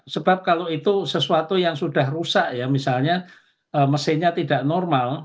sebab kalau itu sesuatu yang sudah rusak ya misalnya mesinnya tidak normal